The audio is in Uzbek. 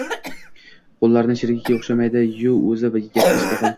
Qo’llari shernikiga o’xshamaydi-yu, o’zi yirtqich va qonxo’r